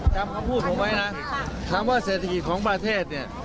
จำคำพูดผมไว้นะคำว่าเศรษฐกิจของประเทศเนี่ย